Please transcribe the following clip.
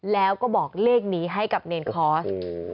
แล้วก็บอกเลขนี้ให้กับเนรคอร์ส